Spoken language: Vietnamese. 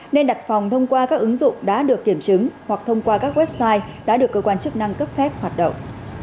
nên đặt phòng thông qua các ứng dụng đã được kiểm chứng hoặc thông qua các website đã được cơ quan chức năng cấp phép hoạt động